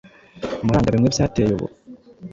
muranga bimwe byateye ubu.